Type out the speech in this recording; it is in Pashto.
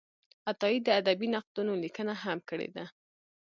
عطایي د ادبي نقدونو لیکنه هم کړې ده.